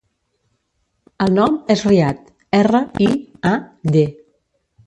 El nom és Riad: erra, i, a, de.